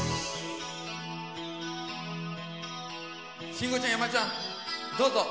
慎吾ちゃん山ちゃんどうぞ。